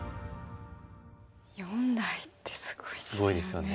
四代ってすごいですよね。